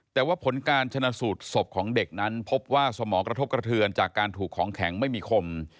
แต่ว่าผลการชนะสูตรศพของเด็กนั้นพบว่าสมองกระทบกระเทือนจากการถูกของแข็งไม่มีคม